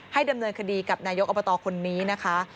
ดำเนินคดีกับนายกอบตคนนี้นะคะ